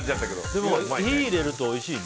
でも、火を入れるとおいしいね。